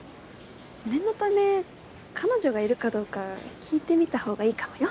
念のため彼女がいるかどうか聞いてみた方がいいかもよ。